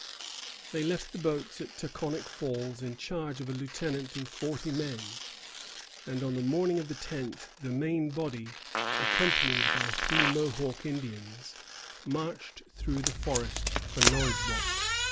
They left the boats at Taconic Falls in charge of a lieutenant and forty men, and on the morning of the tenth the main body, accompanied by three Mohawk Indians, marched through the forest for Norridgewock.